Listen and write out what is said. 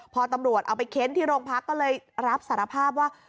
พอตำรวจเอาไปเค้นที่โรงพักก็เลยรับสารภาพว่า